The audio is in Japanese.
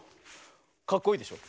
かっこいいでしょ。